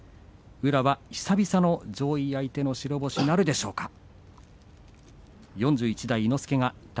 宇良は久々の上位相手の白星なるでしょうか。